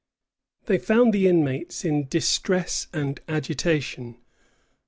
They found the inmates in distress and agitation.